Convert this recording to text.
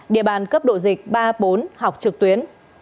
địa bàn cấp độ dịch ba bốn học trực tuyến